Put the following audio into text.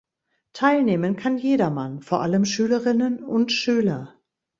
Teilnehmen kann jedermann, vor allem Schülerinnen und Schüler.